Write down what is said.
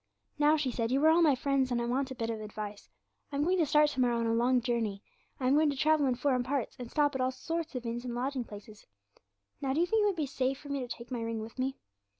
"Now," she said, "you are all my friends, and I want a bit of advice. I'm going to start to morrow on a long journey; I am going to travel in foreign parts, and stop at all sorts of inns and lodging places. Now do you think it would be safe for me to take my ring with me?"